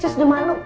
cus udah malu